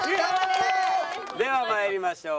では参りましょう。